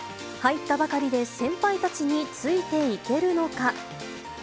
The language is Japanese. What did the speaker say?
入ったばかりで先輩たちについていけるのか。